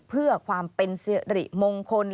เพื่อความเป็นสิริมงคล